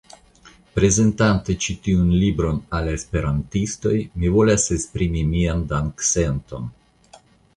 Prezentante ĉi tiun libron al la Esperantistoj, mi volas esprimi mian danksenton.